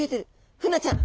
フナちゃん。